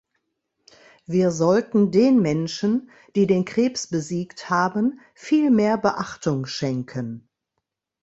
Wir sollten den Menschen, die den Krebs besiegt haben, viel mehr Beachtung schenken.